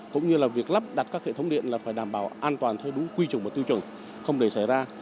cũng như là việc lắp đặt các hệ thống điện là phải đảm bảo an toàn theo đúng quy trùng và tiêu chuẩn không để xảy ra